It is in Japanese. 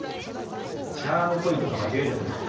チャームポイントと間違えちゃったみたい。